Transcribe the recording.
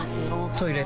トイレ